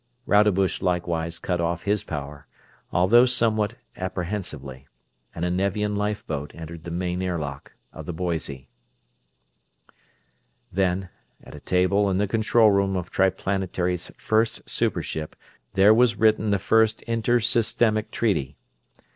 Rodebush likewise cut off his power, although somewhat apprehensively, and a Nevian lifeboat entered the main airlock of the Boise. Then, at a table in the control room of Triplanetary's first super ship, there was written the first Inter Systemic Treaty.